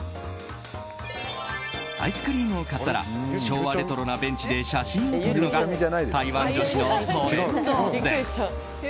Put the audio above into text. アイスクリームを買ったら昭和レトロなベンチで写真を撮るのが台湾女子のトレンドです。